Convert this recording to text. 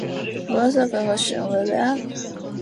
波萨克和圣维维安。